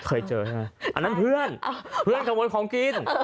เคยเจอใช่ไหมอันนั้นเพื่อนเพื่อนขโมยของกิน